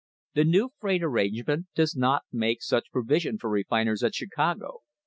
The new freight arrangement does not make such provision for refiners at Chicago.